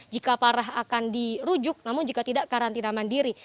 jika parah akan dirujuk namun jika tidak karantina mandiri